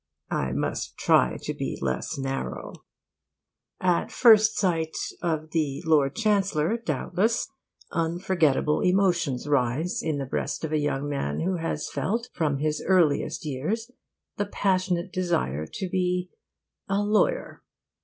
I must try to be less narrow. At first sight of the Lord Chancellor, doubtless, unforgettable emotions rise in the breast of a young man who has felt from his earliest years the passionate desire to be a lawyer.